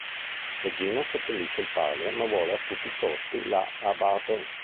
Regina seppellisce il padre, ma vuole a tutti a costi la Abate.